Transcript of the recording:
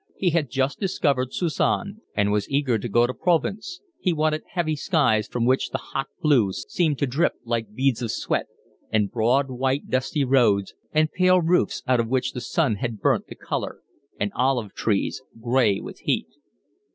He had just discovered Cezanne, and was eager to go to Provence; he wanted heavy skies from which the hot blue seemed to drip like beads of sweat, and broad white dusty roads, and pale roofs out of which the sun had burnt the colour, and olive trees gray with heat.